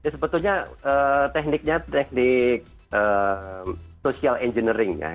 sebetulnya tekniknya teknik social engineering ya